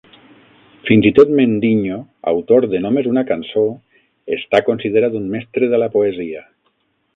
Fins i tot Mendinho, autor de només una cançó, està considerat un mestre de la poesia.